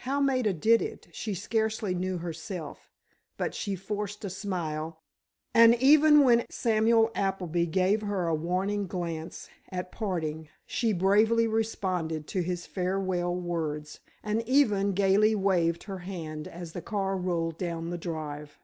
How Maida did it, she scarcely knew herself, but she forced a smile, and even when Samuel Appleby gave her a warning glance at parting she bravely responded to his farewell words, and even gaily waved her hand as the car rolled down the drive.